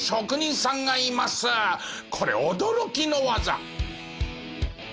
これ驚きの技！